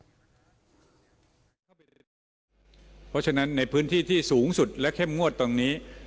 เพราะฉะนั้นในพื้นที่ที่สูงสุดและเข้มงวดตรงนี้